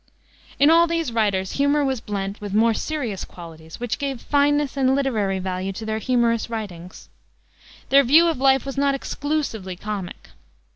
In all these writers humor was blent with more serious qualities, which gave fineness and literary value to their humorous writings. Their view of life was not exclusively comic.